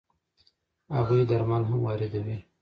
هغوی درمل هم واردوي.